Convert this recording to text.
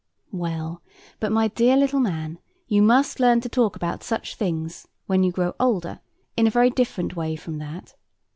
Well, but, my dear little man, you must learn to talk about such things, when you grow older, in a very different way from that.